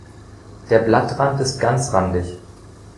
Der Blattrand ist ganzrandig.